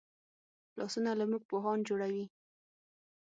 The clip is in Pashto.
لاسونه له موږ پوهان جوړوي